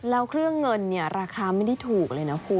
แล้วเครื่องเงินเนี่ยราคาไม่ได้ถูกเลยนะคุณ